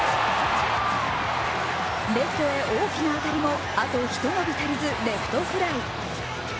レフトへ大きな当たりもあとひと伸び足りずレフトフライ。